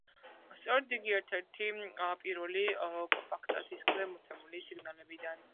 სწორედ იგი ერთ-ერთი პირველი კომპაქტ დისკზე გამოცემული სინგლებიდან.